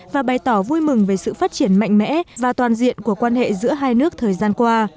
và bày tỏ vui mừng về sự phát triển mạnh mẽ và toàn diện của quan hệ giữa hai nước thời gian qua